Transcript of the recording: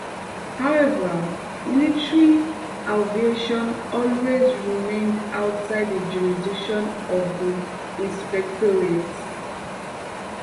However, military aviation always remained outside the jurisdiction of the Inspectorate.